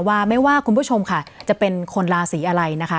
ว่าไม่ว่าคุณผู้ชมค่ะจะเป็นคนราศีอะไรนะคะ